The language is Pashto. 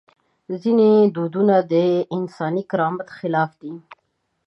ځینې دودونه د انساني کرامت خلاف دي.